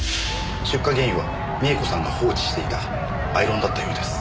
出火原因は美恵子さんが放置していたアイロンだったようです。